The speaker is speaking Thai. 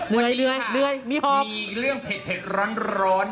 มีเรื่องเผ็ดร้อน